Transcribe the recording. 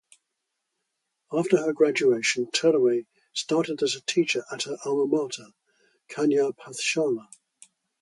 After her graduation, Terway started as a teacher at her "alma mater", Kanya Pathshala.